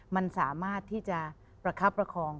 มันสามารถบัรทับประคอง